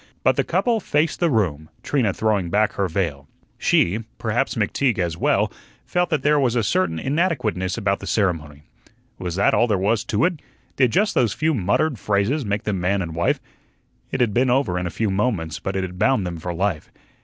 But the couple faced the room, Trina throwing back her veil. She perhaps McTeague as well felt that there was a certain inadequateness about the ceremony. Was that all there was to it? Did just those few muttered phrases make them man and wife? It had been over in a few moments, but it had bound them for life.